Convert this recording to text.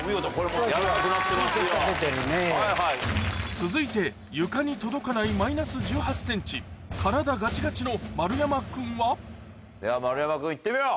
続いて床に届かないマイナス１８ｃｍ体ガチガチの丸山君は？では丸山君行ってみよう。